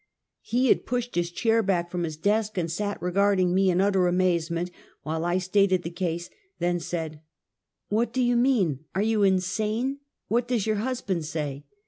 107 He had pushed his chair back from his desk, and sat regarding me in utter amazement while I stated the case, then said: " What do you mean? Are you insane? What does your husband say?"